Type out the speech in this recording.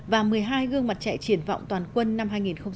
là một mươi hai gương mặt trẻ triển vọng toàn quân năm hai nghìn một mươi bảy